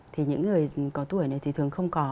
thì những người có tuổi này thì thường không có